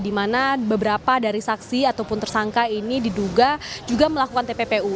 di mana beberapa dari saksi ataupun tersangka ini diduga juga melakukan tppu